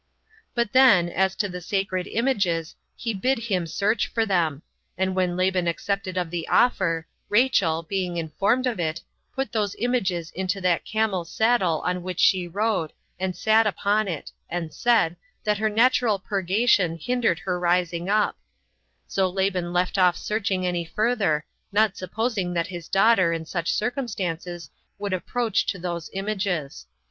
11. But then, as to the sacred images, he bid him search for them; and when Laban accepted of the offer, Rachel, being informed of it, put those images into that camel's saddle on which she rode, and sat upon it; and said, that her natural purgation hindered her rising up: so Laban left off searching any further, not supposing that his daughter in such circumstances would approach to those images.